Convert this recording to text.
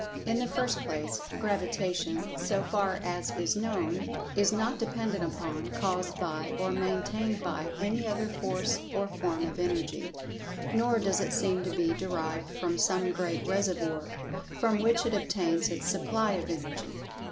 In the first place, Gravitation, so far as is known, is not dependent upon, caused by, or maintained by, any other Force or form of Energy. Nor does it seem to be derived from some great reservoir, from which it obtains its supply of Energy.